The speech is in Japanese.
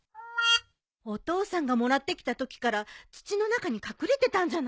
お父さんがもらってきたときから土の中に隠れてたんじゃない？